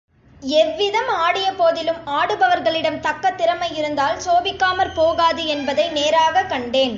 எவ்விதம் ஆடியபோதிலும் ஆடுபவர்களிடம் தக்க திறமையிருந்தால் சோபிக்காமற் போகாது என்பதை நேராகக் கண்டேன்.